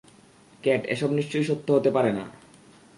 Cat, এসব নিশ্চয়ই সত্য হতে পারে না!